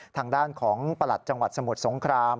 ทางด้านของประหลัดจังหวัดสมุทรสงคราม